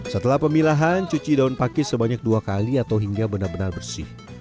setelah pemilahan cuci daun pakis sebanyak dua kali atau hingga benar benar bersih